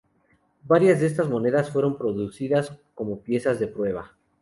Varias de estas monedas fueron producidas como piezas de prueba.